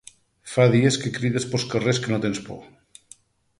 Fa dies que crides pels carrers que no tens por.